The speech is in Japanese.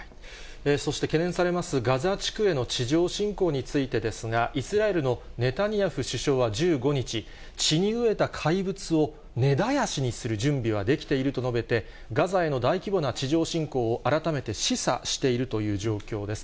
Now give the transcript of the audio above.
そして、懸念されますガザ地区への地上侵攻についてですが、イスラエルのネタニヤフ首相は１５日、血に飢えた怪物を根絶やしにする準備はできていると述べて、ガザへの大規模な地上侵攻を、改めて示唆しているという状況です。